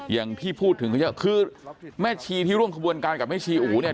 อย่างที่พูดถึงเขาเยอะคือแม่ชีที่ร่วมขบวนการกับแม่ชีอู๋เนี่ย